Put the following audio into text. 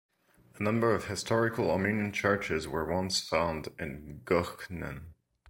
A number of historical Armenian churches were once found in Goght'n.